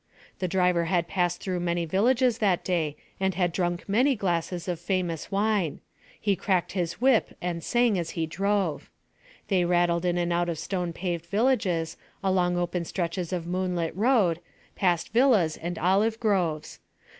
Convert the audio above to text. The driver had passed through many villages that day and had drunk many glasses of famous wine; he cracked his whip and sang as he drove. They rattled in and out of stone paved villages, along open stretches of moonlit road, past villas and olive groves.